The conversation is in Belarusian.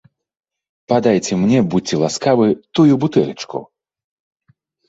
Падайце мне, будзьце ласкавы, тую бутэлечку.